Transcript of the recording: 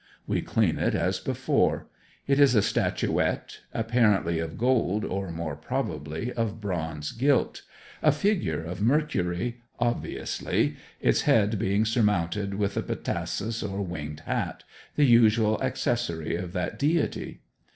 We clean it as before. It is a statuette, apparently of gold, or, more probably, of bronze gilt a figure of Mercury, obviously, its head being surmounted with the petasus or winged hat, the usual accessory of that deity.